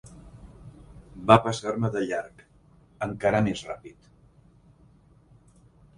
Va passar-me de llarg encara més ràpid.